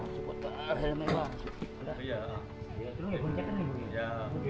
ya seputar helmnya